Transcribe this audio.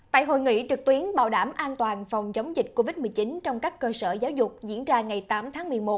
tại hội nghị trực tuyến bảo đảm an toàn phòng chống dịch covid một mươi chín trong các cơ sở giáo dục diễn ra ngày tám tháng một mươi một